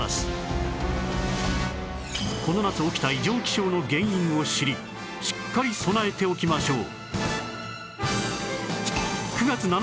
この夏起きた異常気象の原因を知りしっかり備えておきましょう